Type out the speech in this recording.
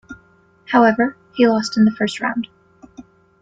However, he lost in the first round.